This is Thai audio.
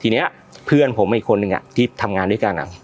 ทีเนี้ยเพื่อนผมอีกคนหนึ่งอ่ะที่ทำงานด้วยกันอ่ะ